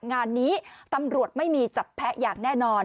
งานนี้ตำรวจไม่มีจับแพ้อย่างแน่นอน